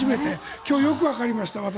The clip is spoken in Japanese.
今日、よくわかりました、私。